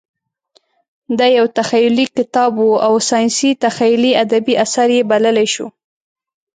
دا یو تخیلي کتاب و او ساینسي تخیلي ادبي اثر یې بللی شو.